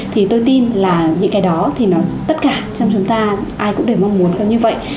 thì tôi tin là những cái đó thì nó tất cả trong chúng ta ai cũng để mong muốn như vậy